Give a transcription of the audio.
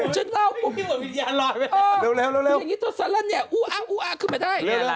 กินหัววินยาลอยว่ะ